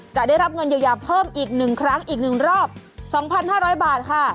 จะได้รับเงินเยียวยาเพิ่มอีก๑ครั้งอีก๑รอบ๒๕๐๐บาทค่ะ